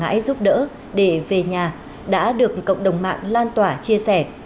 quảng ngãi giúp đỡ để về nhà đã được cộng đồng mạng lan tỏa chia sẻ